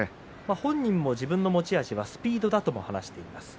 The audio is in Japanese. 本人も自分の持ち味はスピードだと話しています。